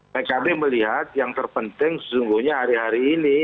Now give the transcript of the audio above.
pkb melihat yang terpenting sesungguhnya hari hari ini